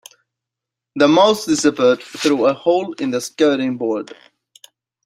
The mouse disappeared through a hole in the skirting board